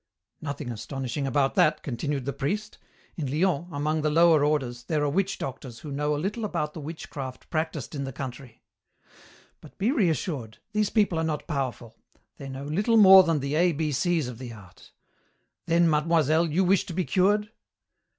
"'Nothing astonishing about that,' continued the priest. 'In Lyons, among the lower orders, there are witch doctors who know a little about the witchcraft practised in the country. But be reassured. These people are not powerful. They know little more than the A B C's of the art. Then, mademoiselle, you wish to be cured?'